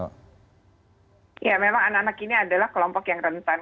ya memang anak anak ini adalah kelompok yang rentan